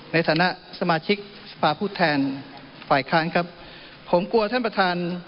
ในฐานะสมาชิกสภาพผู้แทนฝ่ายค้านครับผมกลัวท่านประธาน